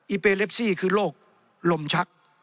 เปเลฟซี่คือโรคลมชัก